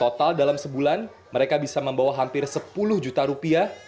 total dalam sebulan mereka bisa membawa hampir sepuluh juta rupiah